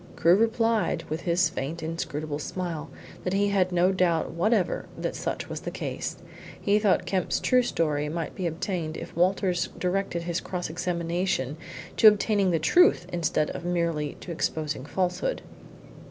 Crewe replied, with his faint, inscrutable smile, that he had no doubt whatever that such was the case. He thought Kemp's true story might be obtained if Walters directed his cross examination to obtaining the truth instead of merely to exposing falsehood.